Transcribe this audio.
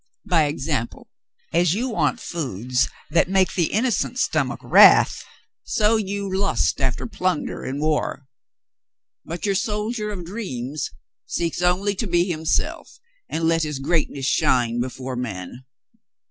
By example, as you want foods that make the innocent stomach wrath, so you lust after plunder in war. But your soldier of dreams seeks only to be himself and let his great ness shine before men."